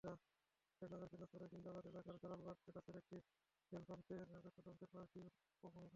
সিলেট নগরের কেন্দ্রস্থলের জিন্দাবাজার এলাকায় জালালাবাদ ট্রেডার্সের একটি পেট্রলপাম্পের পাশ দিয়ে প্রবহমান ছড়া।